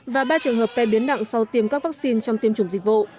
và ba trường hợp tai biến nặng sau tiêm các vaccine trong tiêm chủng dịch vụ